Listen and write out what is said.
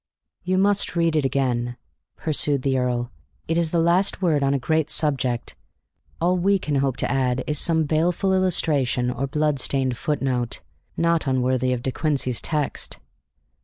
"You must read it again," pursued the earl. "It is the last word on a great subject; all we can hope to add is some baleful illustration or bloodstained footnote, not unworthy of De Quincey's text.